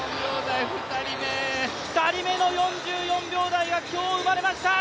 ２人目の４４秒台が今日生まれました